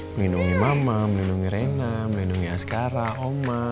melindungi mama melindungi rena melindungi askara oma